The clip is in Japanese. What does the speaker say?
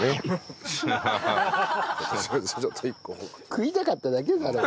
食いたかっただけだろうな。